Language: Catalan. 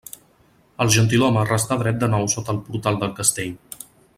El gentilhome restà dret de nou sota el portal del castell.